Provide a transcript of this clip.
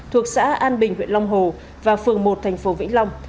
thuộc xã an bình huyện long hồ và phường một tp vĩnh long